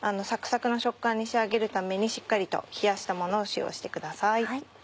サクサクの食感に仕上げるためにしっかりと冷やしたものを使用してください。